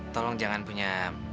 tolong jangan punya